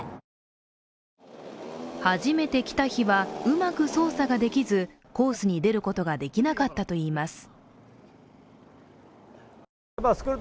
初めて来た日はうまく操作ができずコースに出ることができなかったといいます。